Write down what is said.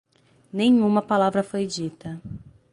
Nenhuma palavra foi dita.